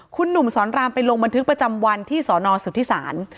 คุณหนุ่มสอนรามไปลงบันทึกประจำวันที่สอนอสุทธิศาล